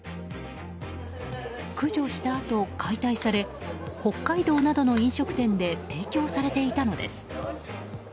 駆除したあと、解体され北海道などの飲食店で提供されていたのです。